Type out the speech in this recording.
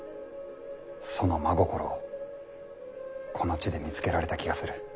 その真心をこの地で見つけられた気がする。